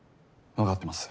わかってます。